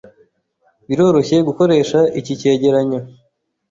Biroroshye gukoresha, iki cyegeranyo